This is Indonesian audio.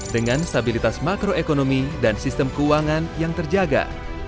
dengan stabilitas makroekonomi dan sistem keuangan yang terjaga